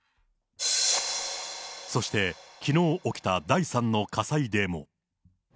そして、きのう起きた第３の火災でも。